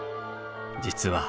実は。